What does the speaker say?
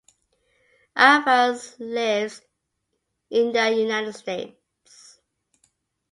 Aviles lives in the United States.